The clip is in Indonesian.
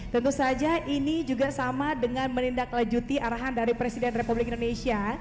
tentu saja ini juga sama dengan menindaklanjuti arahan dari presiden republik indonesia